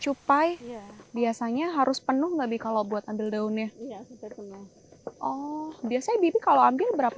cupai biasanya harus penuh lebih kalau buat ambil daunnya iya oh biasanya bibi kalau ambil berapa